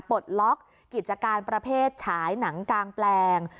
ปลดล็อกกิจการประเภทฉายหนังกางแปลง